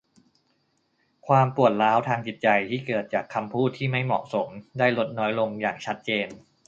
ความปวดร้าวทางจิตใจที่เกิดจากคำพูดที่ไม่เหมาะสมได้ลดน้อยลงอย่างชัดเจน